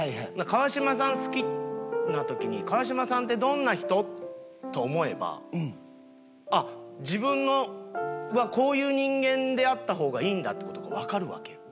好きな時に「川島さんってどんな人？」と思えば自分はこういう人間であった方がいいんだって事がわかるわけよ。